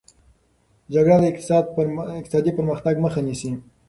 جګړه د اقتصادي پرمختګ مخه نیسي.